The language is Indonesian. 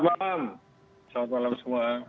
selamat malam semua